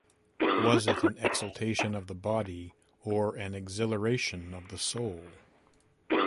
Was it an exultation of the body or an exhilaration of the soul?